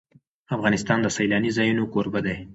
افغانستان د سیلانی ځایونه کوربه دی.